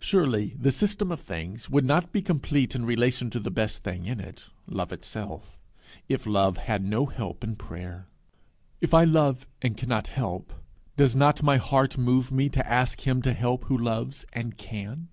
Surely the system of things would not be complete in relation to the best thing in it love itself, if love had no help in prayer. If I love and cannot help, does not my heart move me to ask him to help who loves and can?